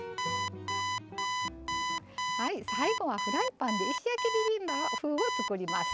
最後はフライパンで石焼きビビンバ風を作ります。